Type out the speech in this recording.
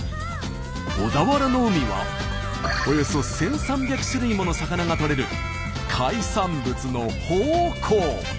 小田原の海はおよそ１，３００種類もの魚がとれる海産物の宝庫。